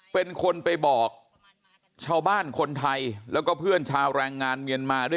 เป็นคนไปบอกชาวบ้านคนไทยแล้วก็เพื่อนชาวแรงงานเมียนมาด้วย